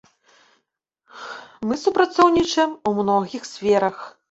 Мы супрацоўнічаем ў многіх сферах.